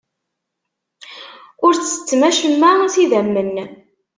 Ur ttettem acemma s idammen.